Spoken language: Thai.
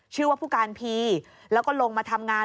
ชื่อว่าผู้การพีแล้วก็ลงมาทำงาน